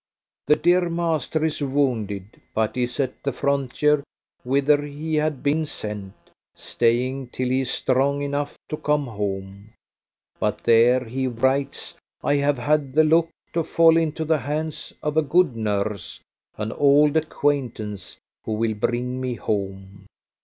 The dear master is wounded, but is at the frontier, whither he had been sent, staying till he is strong enough to come home; "but there," he writes, "I have had the luck to fall into the hands of a good nurse, an old acquaintance, who will bring me home."